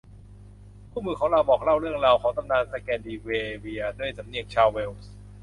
คู่มือของเราบอกเล่าเรื่องราวของตำนานสแกนดิเนเวียด้วยสำเนียงชาวเวลส์